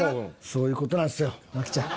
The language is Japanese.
そういう事なんすよ麻貴ちゃん。